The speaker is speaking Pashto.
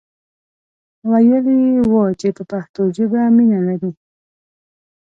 ویلی وو چې په پښتو ژبه مینه لري.